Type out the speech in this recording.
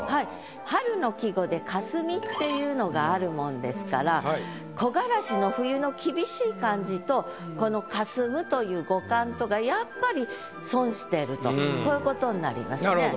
春の季語で「霞」っていうのがあるもんですから「木枯らし」の冬の厳しい感じとこの「かすむ」という語感とがやっぱりこういうことになりますね。